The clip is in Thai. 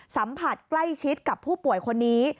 สัมผัสใกล้ชิดกับผู้ป่วยคนนี้